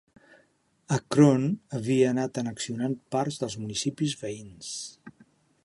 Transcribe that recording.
Akron havia anat annexionant parts dels municipis veïns.